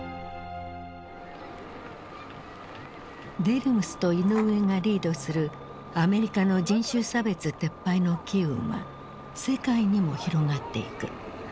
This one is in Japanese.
デルムスとイノウエがリードするアメリカの人種差別撤廃の機運は世界にも広がっていく。